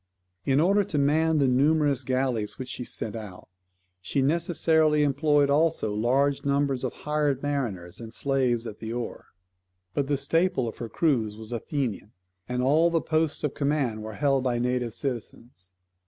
In order to man the numerous galleys which she sent out, she necessarily employed also large numbers of hired mariners and slaves at the oar; but the staple of her crews was Athenian, and all posts of command were held by native citizens.